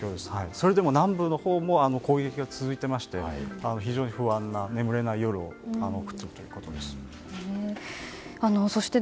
それでも南部のほうも攻撃が続いていまして非常に不安な眠れない夜を送っているということです。